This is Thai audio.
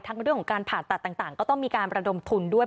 เรื่องของการผ่าตัดต่างก็ต้องมีการระดมทุนด้วย